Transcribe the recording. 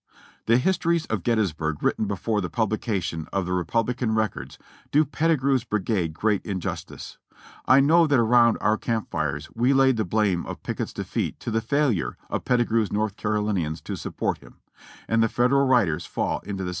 The histories of Gettysburg written before the publication of the Rebellion Records do Pettigrew's brigade great injustice. I know that around our camp fires we laid the blame of Pickett's defeat to the failure of Pettigrew's North Carolinians to support him ; and the Federal writers fall into the same gross error.